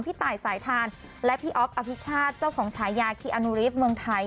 พี่ตายสายทานและพี่อ๊อฟอภิชาติเจ้าของฉายาคีอานุริฟต์เมืองไทย